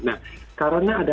nah karena ada